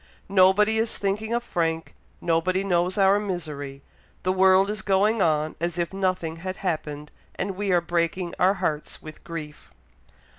Nobody is thinking of Frank nobody knows our misery the world is going on as if nothing had happened, and we are breaking our hearts with grief!"